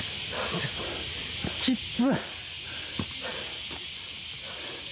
きっつ。